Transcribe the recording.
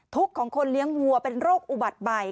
ของคนเลี้ยงวัวเป็นโรคอุบัติใบ